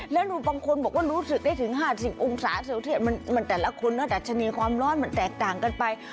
แล้วบางคนบอกว่ารู้สึกได้ถึง๕๐องศาเซลเซียสมันแต่ละคนนะดัชนีความร้อนมันแตกต่างกันไป